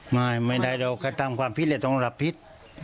ไม่ไม่ได้ลูกก็ทำความผิดแล้วต้องกลับผิด